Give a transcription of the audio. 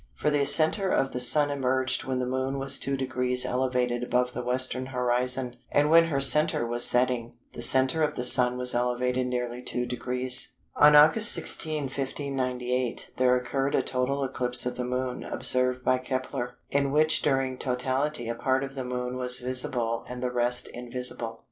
For the centre of the Sun emerged when the Moon was 2° elevated above the Western horizon, and when her centre was setting, the centre of the Sun was elevated nearly 2°." On August 16, 1598, there occurred a total eclipse of the Moon, observed by Kepler, in which during totality a part of the Moon was visible and the rest invisible.